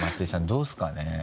どうですかね？